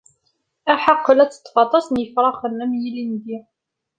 Ahaqel ad d-ṭṭfeɣ aṭas n yifṛaxn, am yilindi.